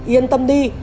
yên tâm đi